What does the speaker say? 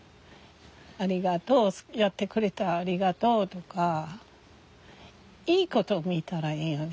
ありがとうやってくれてありがとうとかいいこと見たらいいよね。